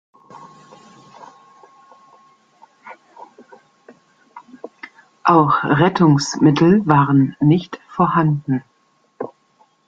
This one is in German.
Auch Rettungsmittel waren nicht vorhanden.